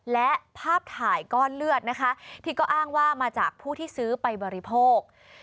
และภาพถ่ายก้อนเลือดนะคะที่ก็อ้างว่ามาจากผู้ที่ซื้อไปบริโภค